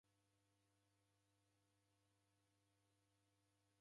Midegho yefwa.